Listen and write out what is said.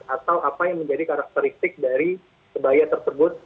atau apa yang menjadi karakteristik dari kebaya tersebut